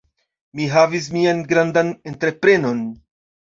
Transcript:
Mi havis mian malgrandan entreprenon.